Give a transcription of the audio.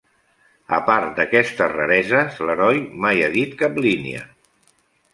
A part d'aquestes rareses, l'heroi mai ha dit cap línia.